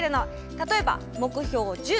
例えば目標１０